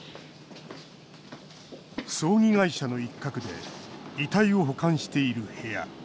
葬儀会社の一角で遺体を保管している部屋。